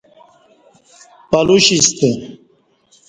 پلوشیستہ